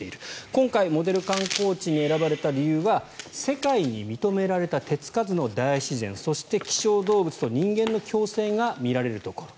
今回、モデル観光地に選ばれた理由は世界に認められた手付かずの大自然そして希少動物と人間の共生が見られるところ。